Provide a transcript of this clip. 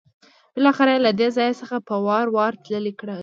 بالاخره یې له دې ځای څخه په وار وار تللی ګڼم.